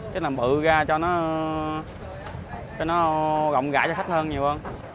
chứ làm bự ra cho nó rộng rãi cho khách hơn nhiều hơn